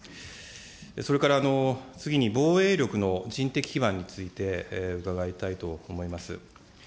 それから次に防衛力の人的基盤について、伺いたいと思います。